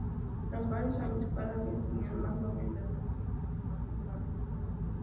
Tras varios años cada vez tenía más movilidad de la gente y más participación.